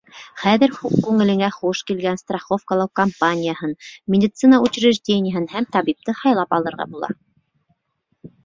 Хәҙер күңелеңә хуш килгән страховкалау компанияһын, медицина учреждениеһын һәм табипты һайлап алырға була.